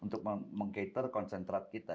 untuk menghantar konsentrat kita